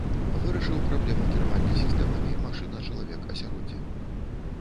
Вырашыў праблему кіравання сістэмамі машына-чалавек-асяроддзе.